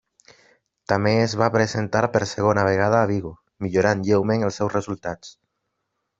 També es va presentar per segona vegada a Vigo, millorant lleument els seus resultats.